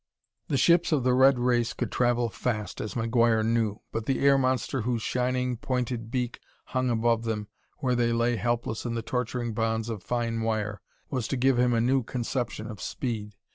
The ships of the red race could travel fast, as McGuire knew, but the air monster whose shining, pointed beak hung above them where they lay helpless in the torturing bonds of fine wire, was to give him a new conception of speed.